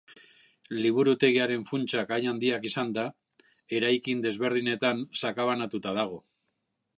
Liburutegiaren funtsak hain handiak izanda, eraikin desberdinetan sakabanatuta dago.